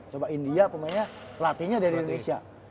coba india pemainnya pelatihnya dari indonesia